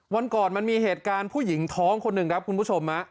วันก่อนมันมีเหตุการณ์ผู้หญิงท้องคนหนึ่งครับคุณผู้ชม